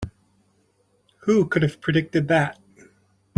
Who could have predicted that?